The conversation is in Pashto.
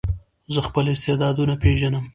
زه خپل استعدادونه پېژنم.